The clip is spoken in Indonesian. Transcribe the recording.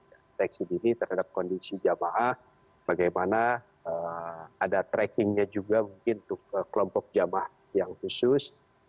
deteksi dini terhadap kondisi jemaah bagaimana ada trackingnya juga mungkin untuk kelompok jemaah yang khusus